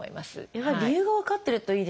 やはり理由が分かってるといいですね。